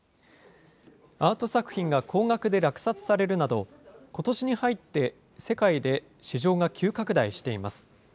アート作品が高額で落札されるなど、ことしに入って世界で市場が急拡大しています。